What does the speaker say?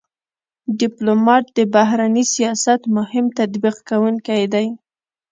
ډيپلومات د بهرني سیاست مهم تطبیق کوونکی دی.